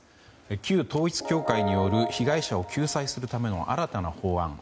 旧統一教会による被害者を救済するための新たな法案。